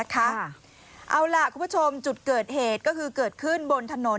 เอาล่ะคุณผู้ชมจุดเกิดเหตุก็คือเกิดขึ้นบนถนน